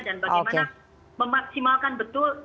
dan bagaimana memaksimalkan betul